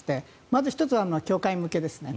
まず１つは教会向けですね。